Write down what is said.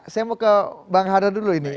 saya mau ke bang hadar dulu ini